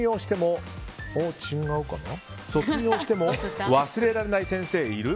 卒業しても忘れられない先生いる？